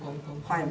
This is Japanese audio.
はい。